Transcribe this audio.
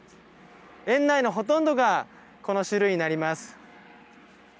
園内のほとんどがこの種類になります。